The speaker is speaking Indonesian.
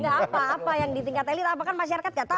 gak apa apa yang di tingkat elit apakah masyarakat nggak tahu